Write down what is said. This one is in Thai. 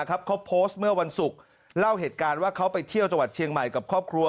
เขาโพสต์เมื่อวันศุกร์เล่าเหตุการณ์ว่าเขาไปเที่ยวจังหวัดเชียงใหม่กับครอบครัว